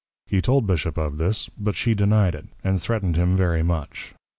He told Bishop of this; but she deny'd it, and threatned him very much.